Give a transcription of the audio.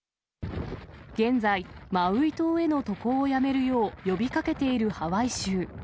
現在、マウイ島への渡航をやめるよう呼びかけているハワイ州。